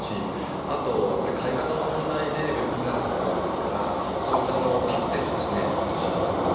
あとやっぱり飼い方の問題で病気になる方多いですからそういった飼ってる飼育してる所をですね